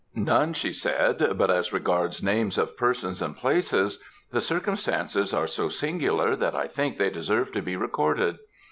"None," she said, "but as regards names of persons and places; the circumstances are so singular that I think they deserve to be recorded.